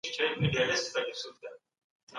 ټولنه باید د افرادو ملاتړ وکړي.